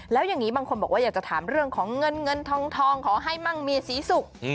แล้วอย่างนี้บางคนบอกว่าอยากจะถามเรื่องของเงินเงินทองขอให้มั่งมีสีสุข